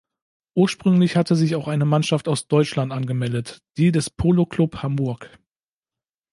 Ursprünglich hatte sich auch eine Mannschaft aus Deutschland angemeldet, die des "Polo Club Hamburg".